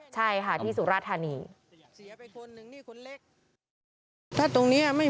ใช่ค่ะที่สุรทานี